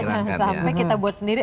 jangan sampai kita buat sendiri